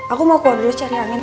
aku mau keluar dulu cari angin